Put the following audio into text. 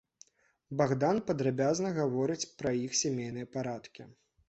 Багдан падрабязна гаворыць пра іх сямейныя парадкі.